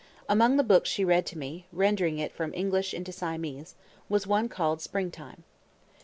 Among the books she read to me, rendering it from English into Siamese, was one called "Spring time."